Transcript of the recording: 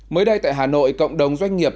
mới đây tại hà nội cộng đồng doanh nghiệp